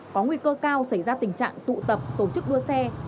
có nguy cơ cao xảy ra tình trạng tụ tập tổ chức đua xe